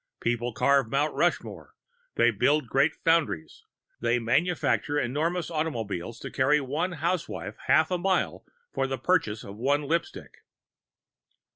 People carve Mount Rushmore; they build great foundries; they manufacture enormous automobiles to carry one housewife half a mile for the purchase of one lipstick.